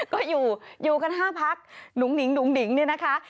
ก็อยู่อยู่กัน๕พักหนุ่งหิงหิงเนี่ยนะคะ